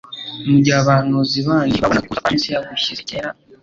Mu gihe abahanuzi bandi babonaga ukuza kwa Mesiya gushyize cyera,